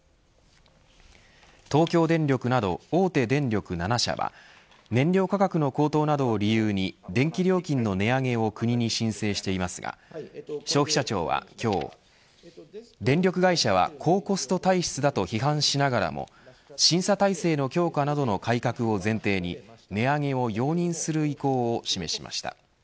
東京電力など大手電力７社は燃料価格の高騰などを理由に電気料金の値上げを国に申請していますが消費者庁は今日電力会社は高コスト体質だと批判しながらも審査体制の強化などの改革を前提に値上げを容認する意向を示しました。